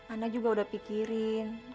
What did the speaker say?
ana juga udah pikirin